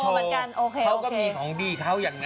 เขาก็มีของดีเขาอย่างนั้น